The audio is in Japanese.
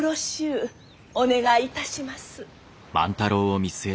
お願いいたします。